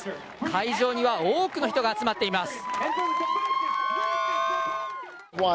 会場には多くの人が集まっています。